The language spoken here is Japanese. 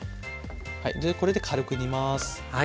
でこれで軽く煮ます。